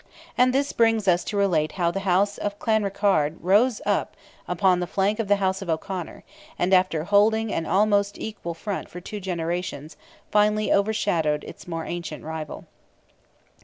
And this brings us to relate how the house of Clanrickarde rose upon the flank of the house of O'Conor, and after holding an almost equal front for two generations, finally overshadowed its more ancient rival.